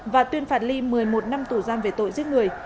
và tuyên phạt ly một mươi một năm tù giam về tội giết người